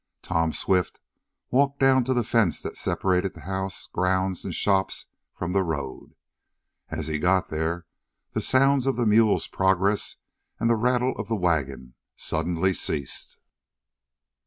Tom Swift walked down to the fence that separated the house, grounds and shops from the road. As he got there the sounds of the mule's progress, and the rattle of the wagon, suddenly ceased.